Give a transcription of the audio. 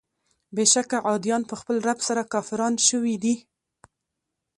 بېشکه عادیان په خپل رب سره کافران شوي دي.